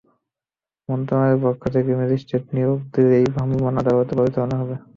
মন্ত্রণালয়ের পক্ষ থেকে ম্যাজিস্ট্রেট নিয়োগ দিলেই ভ্রাম্যমাণ আদালত পরিচালনা করা হবে।